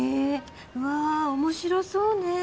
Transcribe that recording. わ面白そうね。